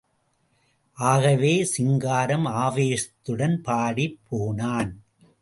ஆகவே, சிங்காரம் ஆவேசத்துடன் பாடிப் போனான்.